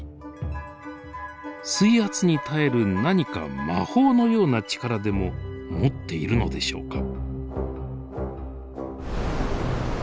水圧に耐える何か魔法のような力でも持っているのでしょうか。